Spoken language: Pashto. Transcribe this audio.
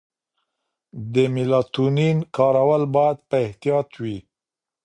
د میلاټونین کارول باید په احتیاط وي.